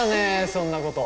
そんなこと！